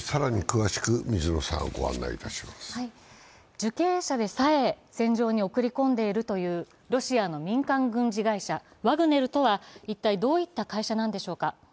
受刑者でさえ戦場に送り込んでいるというロシアの民間軍事会社ワグネルとは一体どういった会社なんでしょうか？